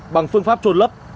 bằng phương pháp trôn lấp